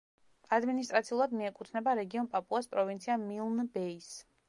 ადმინისტრაციულად მიეკუთვნება რეგიონ პაპუას პროვინცია მილნ-ბეის.